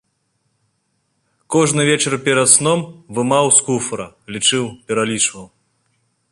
Кожны вечар перад сном вымаў з куфра, лічыў, пералічваў.